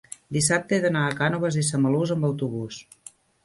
dissabte he d'anar a Cànoves i Samalús amb autobús.